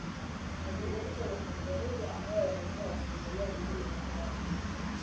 mazungumzo na Saudi Arabia ambayo yamekuwa yakiendelea mjini Baghdad